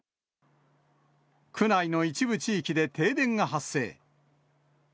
区内の一部地域で停電が発生。